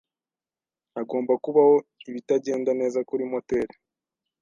Hagomba kubaho ibitagenda neza kuri moteri.